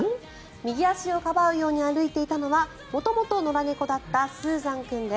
右足をかばうように歩いていたのは元々、野良猫だったスーザン君です。